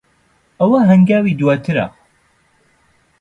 ئەوە ھەنگاوی دواترە.